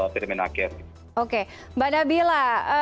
permenaker oke mbak nabila